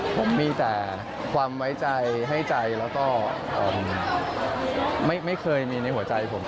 ผมมีแต่ความไว้ใจให้ใจแล้วก็ไม่เคยมีในหัวใจผม